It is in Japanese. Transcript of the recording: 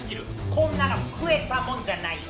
こんなの食えたもんじゃないよ。